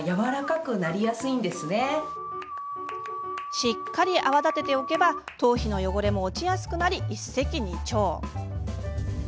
しっかり泡立てておけば頭皮の汚れも落ちやすくなり一石二鳥。